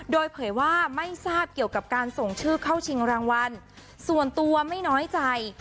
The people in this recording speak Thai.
โดยเผยว่าไม่ทราบเกี่ยวกับการส่งชื่อเข้าชิงรางวัลส่วนตัวไม่น้อยใจ